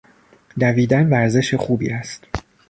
دویدن ورزش خوبی است.